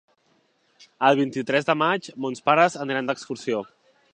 El vint-i-tres de maig mons pares aniran d'excursió.